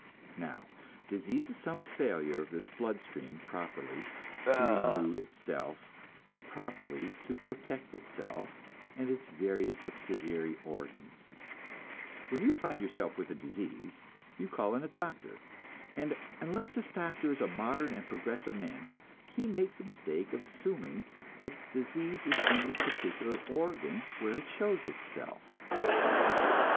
Now, disease is some failure of this blood stream properly to renew itself or properly to protect itself and its various subsidiary organs. When you find yourself with a disease, you call in a doctor; and unless this doctor is a modern and progressive man, he makes the mistake of assuming that the disease is in the particular organ where it shows itself.